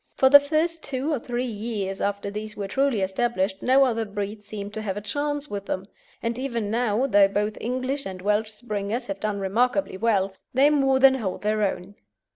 For the first two or three years after these were truly established no other breed seemed to have a chance with them; and even now, though both English and Welsh Springers have done remarkably well, they more than hold their own.